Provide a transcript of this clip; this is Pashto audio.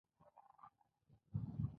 ژوندي خدای ته رجوع کوي